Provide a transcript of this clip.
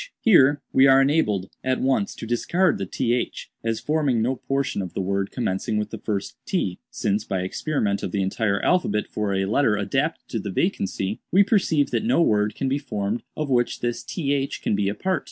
"Here we are enabled, at once, to discard the 'th,' as forming no portion of the word commencing with the first t; since, by experiment of the entire alphabet for a letter adapted to the vacancy, we perceive that no word can be formed of which this th can be a part.